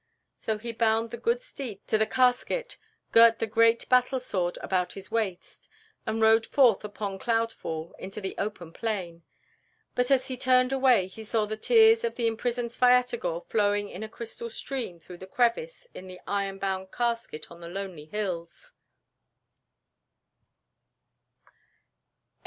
So he bound the good steed to the casket, girt the great battle sword about his waist, and rode forth upon Cloudfall into the open plain. But as he turned away, he saw the tears of the imprisoned Svyatogor flowing in a crystal stream through the crevice in the iron bound casket on the lonely hills.